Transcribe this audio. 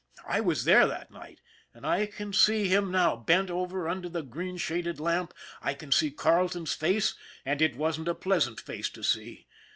I was there that night, and I can see him now bent over under the green shaded lamp I can see Carleton's face, and it wasn't a pleasant face to see.